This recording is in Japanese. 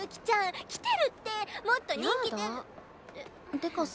てかさ